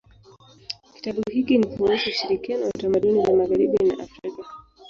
Kitabu hiki ni kuhusu ushirikiano wa tamaduni za magharibi na Afrika.